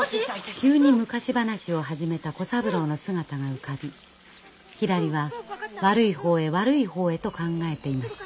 急に昔話を始めた小三郎の姿が浮かびひらりは悪い方へ悪い方へと考えていました。